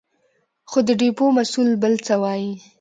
خو د ډېپو مسوول بل څه وايې.